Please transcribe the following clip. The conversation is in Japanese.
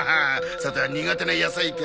さては苦手な野菜か。